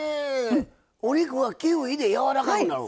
お肉がキウイでやわらかくなる？